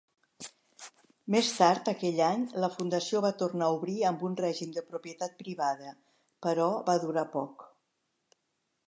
Més tard aquell any, la fundació va tornar a obrir amb un règim de propietat privada, però va durar poc.